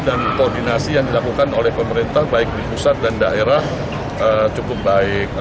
dan koordinasi yang dilakukan oleh pemerintah baik di pusat dan daerah cukup baik